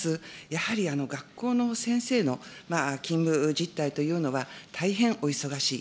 やはり、学校の先生の勤務実態というのは、大変お忙しい。